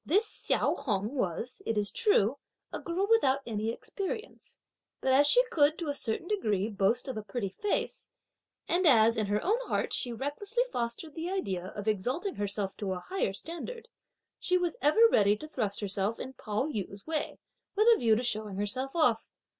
This Hsiao Hung was, it is true, a girl without any experience, but as she could, to a certain degree, boast of a pretty face, and as, in her own heart, she recklessly fostered the idea of exalting herself to a higher standard, she was ever ready to thrust herself in Pao yü's way, with a view to showing herself off.